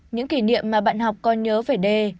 những kỷ niệm mà bạn học còn nhớ về d